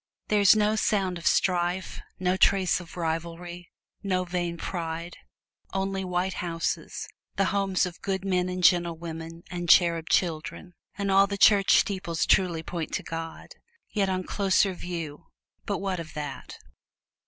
There is no sound of strife, no trace of rivalry, no vain pride; only white houses the homes of good men and gentle women, and cherub children; and all the church steeples truly point to God. Yet on closer view but what of that!